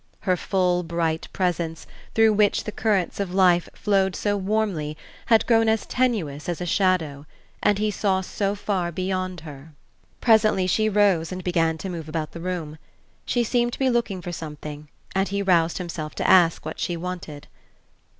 Her full bright presence, through which the currents of life flowed so warmly, had grown as tenuous as a shadow, and he saw so far beyond her Presently she rose and began to move about the room. She seemed to be looking for something and he roused himself to ask what she wanted.